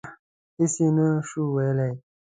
هېڅ یې نه شو ویلای.